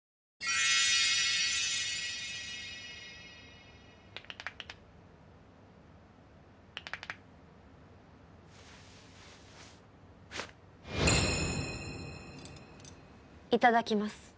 いただきます。